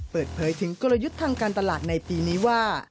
เปิดเผยถึงกลยุทธ์ทางการตลาดในปีนี้ว่า